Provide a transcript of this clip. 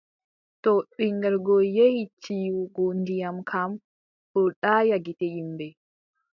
To ɓiŋngel go yehi tiiwugo ndiyam kam, o daaya gite yimɓe.